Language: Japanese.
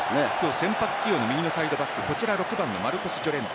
先発起用の右のサイドバック６番のマルコスジョレンテ。